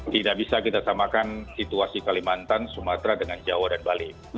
tidak bisa kita samakan situasi kalimantan sumatera dengan jawa dan bali